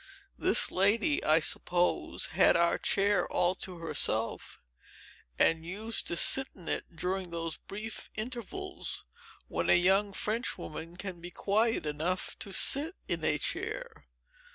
This lady, I suppose, had our chair all to herself, and used to sit in it, during those brief intervals when a young French woman can be quiet enough to sit in a chair.